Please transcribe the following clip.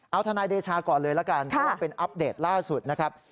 เอาทนายเดชาก่อนเลยละกันเพราะว่าเป็นอัปเดตล่าสุดนะครับ